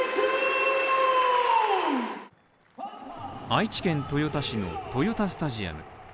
愛知県豊田市の豊田スタジアム。